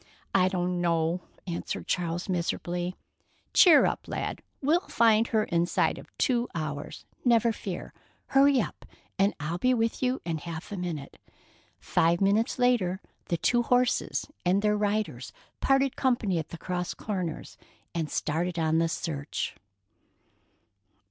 "I don't know," answered Charles miserably. "Cheer up, lad, we'll find her inside of two hours, never fear. Hurry up, and I'll be with you in half a minute." Five minutes later, the two horses and their riders parted company at the cross corners, and started on the search.